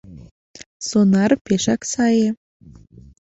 Сонар пешак сае.